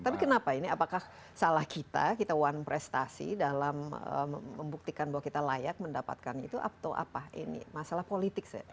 tapi kenapa ini apakah salah kita kita one prestasi dalam membuktikan bahwa kita layak mendapatkan itu atau apa ini masalah politik